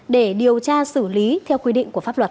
để điều tra xử lý theo quy định của pháp luật